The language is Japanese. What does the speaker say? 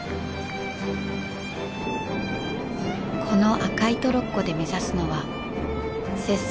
この赤いトロッコで目指すのは接岨